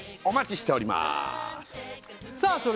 お待ちしておりまーすさあ